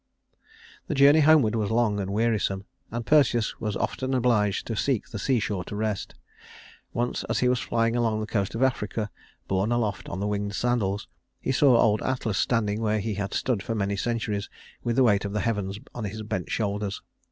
The journey homeward was long and wearisome, and Perseus was often obliged to seek the seashore to rest. Once as he was flying along the coast of Africa, borne aloft on the winged sandals, he saw old Atlas standing where he had stood for many centuries with the weight of the heavens on his bent shoulders.